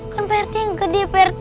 kan pak rt yang gede pak rt